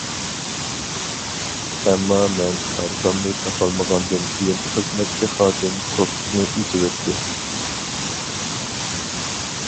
ئەمما مەن كارتامنى تاپالمىغاندىن كېيىن خىزمەتچى خادىم توسۇقنى ئېچىۋەتتى.